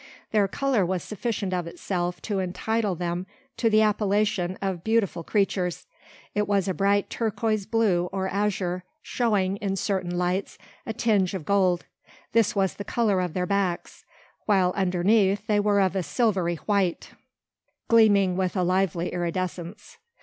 Their colour was sufficient of itself to entitle them to the appellation of beautiful creatures. It was a bright turquoise blue or azure, showing, in certain lights, a tinge of gold. This was the colour of their backs; while underneath they were of a silvery white, gleaming with a lively iridescence.